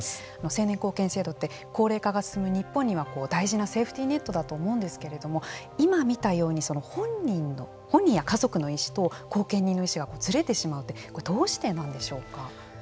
成年後見制度って高齢化が進む日本には大事なセーフティーネットだと思うんですけれども今、見たように本人や家族の意思と後見人の意思がずれてしまうってどうしてなんでしょうか。